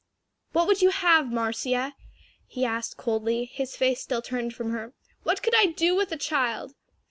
"What would you have, Marcia?" he asked coldly, his face still turned from her, "what could I do with a child?